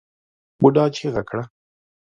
بوډا چيغه کړه!